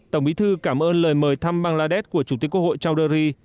tổng bí thư cảm ơn lời mời thăm bangladesh của chủ tịch quốc hội charuri